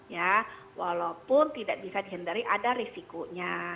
ya walaupun tidak bisa dihindari ada risikonya